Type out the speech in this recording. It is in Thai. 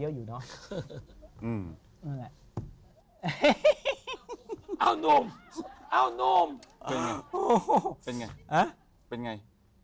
เป็นไง